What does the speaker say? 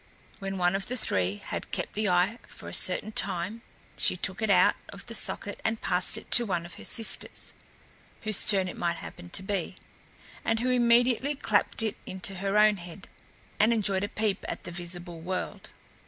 When one of the three had kept the eye a certain time, she took it out of the socket and passed it to one of her sisters, whose turn it might happen to be, and who immediately clapped it into her own head and enjoyed a peep at the visible world.